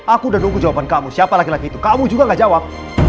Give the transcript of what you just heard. aku udah nunggu jawaban kamu siapa lagi lagi itu kamu juga gak jawab